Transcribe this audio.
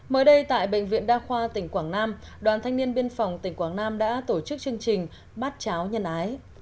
mới đây tại bệnh viện đa khoa tỉnh quảng nam đoàn thanh niên biên phòng tỉnh quảng nam đã tổ chức chương trình bát cháo nhân ái